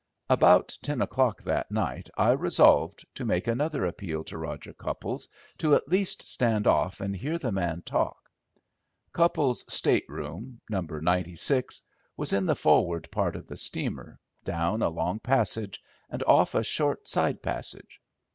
About ten o'clock that night I resolved to make another appeal to Roger Cupples to at least stand off and hear the man talk. Cupples' state room, No. 96, was in the forward part of the steamer, down a long passage and off a short side passage.